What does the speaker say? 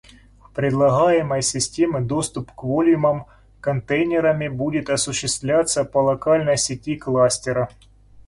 В предлагаемой системе доступ к вольюмам контейнерами будет осуществляться по локальной сети кластера